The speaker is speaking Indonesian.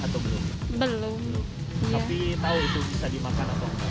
tapi tau itu bisa dimakan atau belum